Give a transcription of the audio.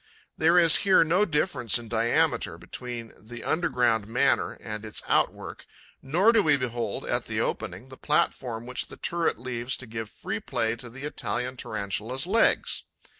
There is here no difference in diameter between the underground manor and its outwork, nor do we behold, at the opening, the platform which the turret leaves to give free play to the Italian Tarantula's legs.